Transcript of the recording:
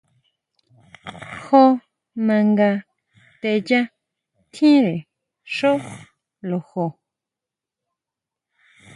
Jó nanga teyà tjínre xjó lojo.